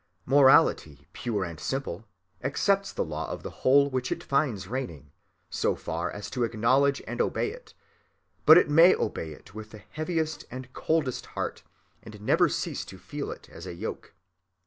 Morality pure and simple accepts the law of the whole which it finds reigning, so far as to acknowledge and obey it, but it may obey it with the heaviest and coldest heart, and never cease to feel it as a yoke.